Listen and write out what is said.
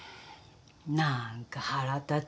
何か腹立つ。